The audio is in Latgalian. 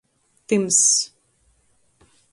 Tymss.